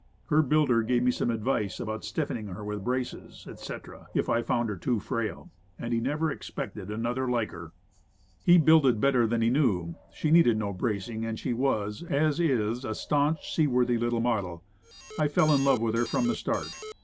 Her builder gave me some advice about stiffening her with braces, etc., if I found her too frail, "and he never expected to build another like her." "He builded better than he knew." She needed no bracing; and she was, and is, a staunch, sea worthy little model. I fell in love with her from the start.